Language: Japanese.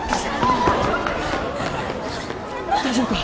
大丈夫か？